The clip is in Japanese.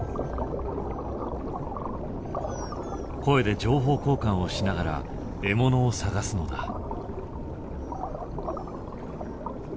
声で情報交換をしながら獲物を探すのだ。